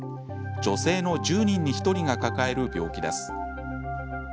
女性の１０人に１人が抱える病気です。